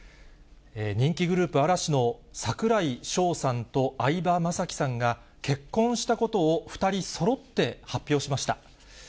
人気グループ、嵐の櫻井翔さんと相葉雅紀さんが、結婚したことを２人そろって発表しました。